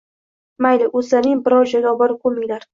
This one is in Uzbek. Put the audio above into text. Mayli, o‘zlaring biron joyga oborib ko‘minglar